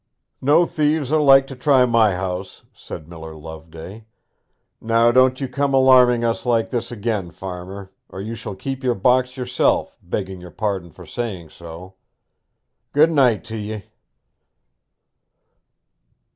'No thieves are like to try my house,' said Miller Loveday. 'Now don't you come alarming us like this again, farmer, or you shall keep your box yourself, begging your pardon for saying so. Good night t' ye!'